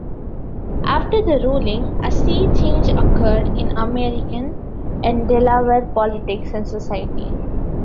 After the ruling, a sea change occurred in American and Delaware politics and society.